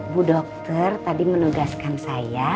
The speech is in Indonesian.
bu dokter tadi menugaskan saya